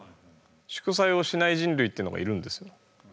祝祭をしない人類っていうのがいるんですよ。